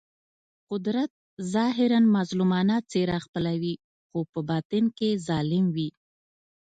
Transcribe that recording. قدرت ظاهراً مظلومانه څېره خپلوي خو په باطن کې ظالم وي.